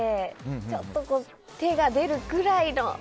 ちょっと手が出るくらいの。